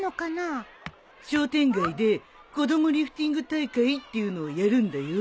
商店街で子どもリフティング大会っていうのをやるんだよ。